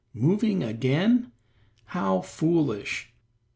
Moving again? How foolish!